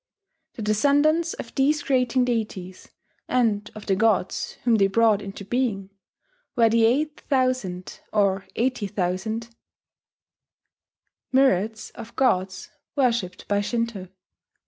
The descendants of these creating deities, and of the gods whom they brought into being, were the eight thousand (or eighty thousand) myriads of gods worshipped by Shinto.